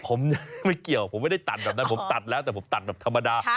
ผมไม่เกี่ยวผมไม่ได้ตัดแบบนั้นผมตัดแล้วแต่ผมตัดแบบธรรมดา